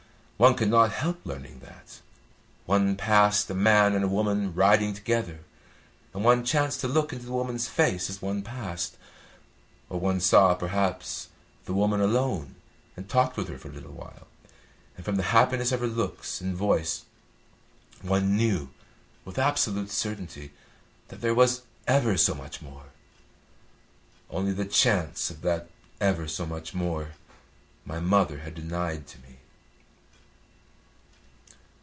One could not help learning that. One passed a man and a woman riding together, and one chanced to look into the woman's face as one passed; or one saw, perhaps, the woman alone and talked with her for a little while, and from the happiness of her looks and voice one knew with absolute certainty that there was ever so much more. Only the chance of that ever so much more my mother had denied to me."